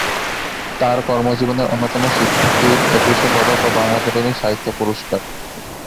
তার কর্মজীবনের অন্যতম স্বীকৃতির একুশে পদক ও বাংলা একাডেমি সাহিত্য পুরস্কার।